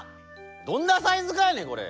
どんなサイズかんやねんこれ！